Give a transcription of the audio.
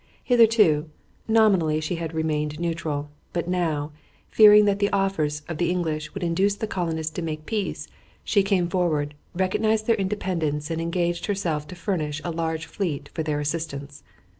Hitherto, nominally she had remained neutral, but now, fearing that the offers of the English would induce the colonists to make peace, she came forward, recognized their independence, and engaged herself to furnish a large fleet for their assistance.